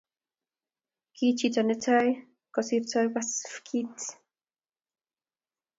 Ki chito ne tai kusirtoi Pasifikit